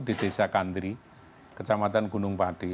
desa kandri kecamatan gunung pade